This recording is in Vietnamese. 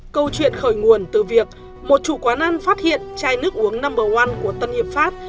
câu chuyện khởi nguồn từ việc một chủ quán ăn phát hiện chai nước uống nămber one của tân hiệp pháp